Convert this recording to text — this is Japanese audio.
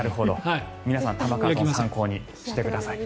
皆さん玉川さんを参考にしてください。